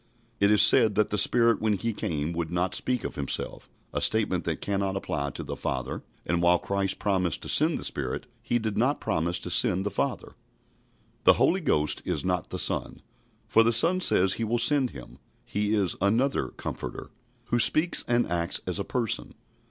It is said that the Spirit when He came would not speak of Himself a statement that cannot apply to the Father; and while Christ promised to send the Spirit, He did not promise to send the Father. The Holy Ghost is not the Son, for the Son says He will send Him. He is "another Comforter," who speaks and acts as a person.